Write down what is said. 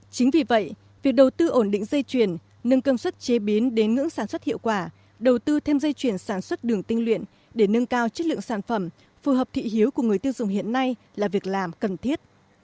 chính vì vậy việc đầu tư ổn định dây chuyển nâng cơm xuất chế biến đến ngưỡng sản xuất hiệu quả đầu tư thêm dây chuyển sản xuất đường tinh luyện để nâng cao chất lượng sản phẩm phù hợp thị hiếu của người tiêu dùng hiện nay là việc làm cần thiết